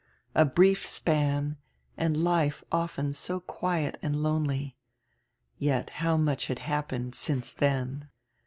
A brief span, and life often so quiet and lonely. Yet how much had happened since dien!